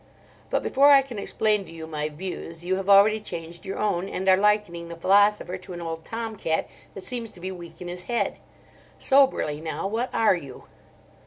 But before I can explain to you my views you have already changed your own, and are likening the philosopher to an old tom cat that seems to be weak in his head. Soberly now, what are you?"